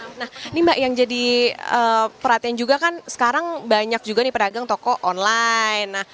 nah ini mbak yang jadi perhatian juga kan sekarang banyak juga nih pedagang toko online